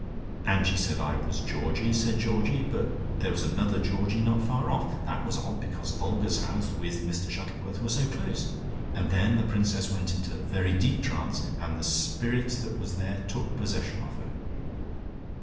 "And she said I was Georgie," said Georgie, "but that there was another Georgie not far off. That was odd, because Olga's house, with Mr Shuttleworth, were so close. And then the Princess went into very deep trance, and the spirit that was there took possession of her."